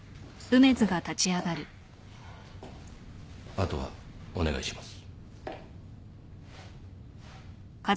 あとはお願いします。